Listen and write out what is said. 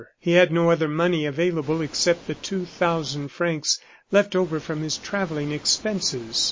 He had no other money available except the two thousand francs left over from his travelling expenses.